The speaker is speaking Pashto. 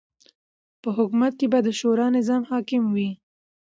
په حکومت کی به د شورا نظام حاکم وی